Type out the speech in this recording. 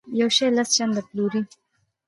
یو شی لس چنده پلوري.